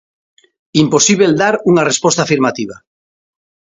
Imposíbel dar unha resposta afirmativa.